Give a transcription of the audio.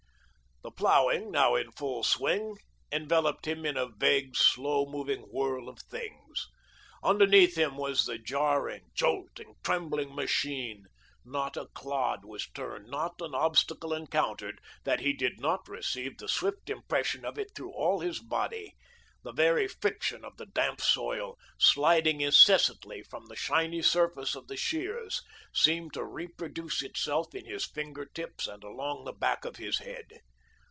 The ploughing, now in full swing, enveloped him in a vague, slow moving whirl of things. Underneath him was the jarring, jolting, trembling machine; not a clod was turned, not an obstacle encountered, that he did not receive the swift impression of it through all his body, the very friction of the damp soil, sliding incessantly from the shiny surface of the shears, seemed to reproduce itself in his finger tips and along the back of his head.